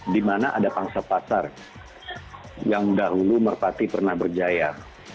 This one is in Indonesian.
di mana ada pangsa pasar yang dahulu merpati pernah berjaya